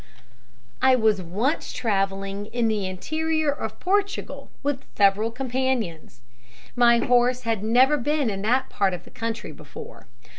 I was once travelling in the interior of Portugal with several companions. My horse had never been in that part of the country before.